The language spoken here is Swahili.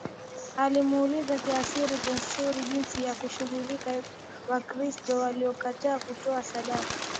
Alimwuliza Kaisari Traianus jinsi ya kushughulikia Wakristo waliokataa kutoa sadaka